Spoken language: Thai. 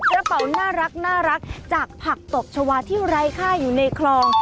กระเป๋าน่ารักจากผักตบชาวาที่ไร้ค่าอยู่ในคลอง